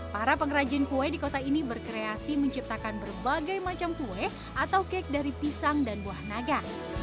para pengrajin kue di kota ini berkreasi menciptakan berbagai macam kue atau kek dari pisang dan buah naga